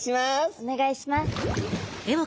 お願いします。